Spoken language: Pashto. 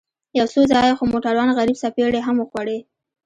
يو څو ځايه خو موټروان غريب څپېړې هم وخوړې.